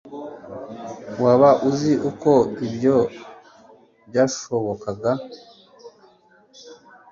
waba uzi uko ibyo byashobokaga